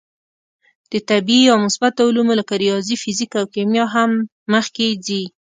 د طبعي یا مثبته علومو لکه ریاضي، فیزیک او کیمیا هم مخکې ځي.